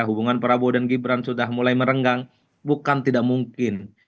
hubungan prabowo dan gibran sudah mulai merenggang bukan tidak mungkin